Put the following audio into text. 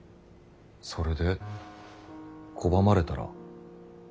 それで拒まれたら？